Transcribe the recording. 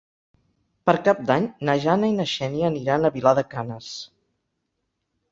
Per Cap d'Any na Jana i na Xènia aniran a Vilar de Canes.